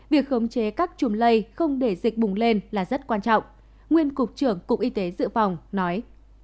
việc khống chế các chùm lây không để dịch bùng lên là rất quan trọng nguyên cục trưởng cục y tế dự phòng nói